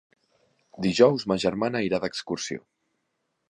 Dijous ma germana irà d'excursió.